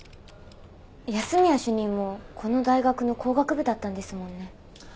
安洛主任もこの大学の工学部だったんですもんね。